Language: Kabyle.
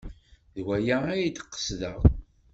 D waya ay d-qesdeɣ.